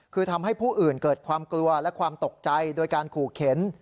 คือทำให้ผู้อื่นเกิดความกลัวและความตกใจโดยการขู่เข็น